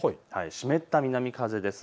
湿った南風です。